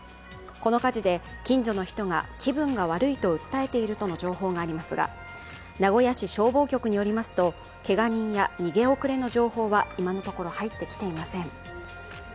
この火事で近所の人が気分が悪いと訴えているとの情報がありますが名古屋市消防局によりますとけが人や逃げ遅れの情報は今のところ入ってきていません。